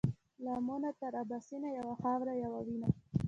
له آمو تر اباسینه یوه خاوره یو وینه